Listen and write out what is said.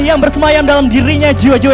yang bersemayam dalam dirinya jiwa jiwa